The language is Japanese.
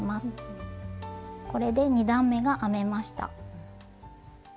これで２段めが編めました。